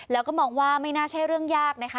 แล้วก็มองว่าไม่น่าใช่เรื่องยากนะคะ